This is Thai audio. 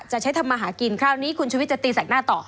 ใช้ทำมาหากินคราวนี้คุณชุวิตจะตีแสกหน้าต่อ